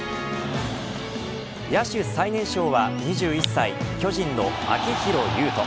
野手最年少は２１歳、巨人の秋広優人。